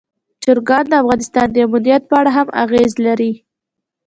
چرګان د افغانستان د امنیت په اړه هم اغېز لري.